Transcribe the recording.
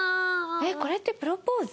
「えっこれってプロポーズ？」。